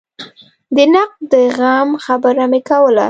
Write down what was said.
د نقد د زغم خبره مې کوله.